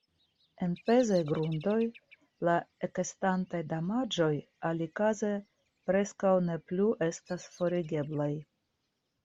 En pezaj grundoj la ekestantaj damaĝoj alikaze preskaŭ ne plu estas forigeblaj.